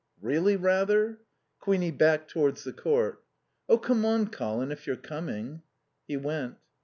"Really rather?" Queenie backed towards the court. "Oh, come on, Colin, if you're coming." He went.